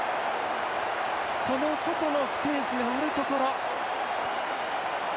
その外のスペースがあるところ。